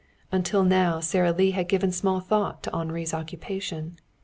Until now Sara Lee had given small thought to Henri's occupation.